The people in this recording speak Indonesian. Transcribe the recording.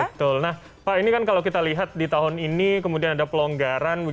betul nah pak ini kan kalau kita lihat di tahun ini kemudian ada pelonggaran